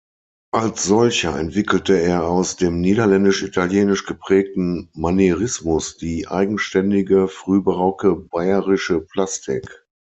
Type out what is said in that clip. Als solcher entwickelte er aus dem niederländisch-italienisch geprägten Manierismus die eigenständige frühbarocke bayerische Plastik.